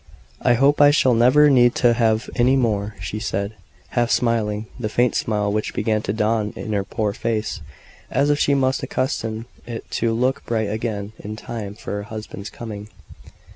"I hope I shall never need to have any more," she said, half smiling the faint smile which began to dawn in her poor face, as if she must accustom it to look bright again in time for her husband's coming.